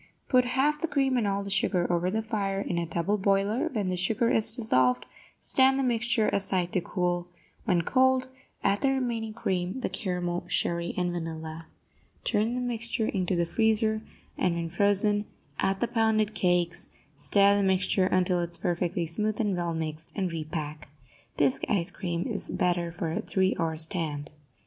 Put half the cream and all the sugar over the fire in a double boiler; when the sugar is dissolved, stand the mixture aside to cool; when cold, add the remaining cream, the caramel, sherry and vanilla. Turn the mixture into the freezer, and, when frozen, add the pounded cakes; stir the mixture until it is perfectly smooth and well mixed, and repack. Bisque ice cream is better for a three hour stand.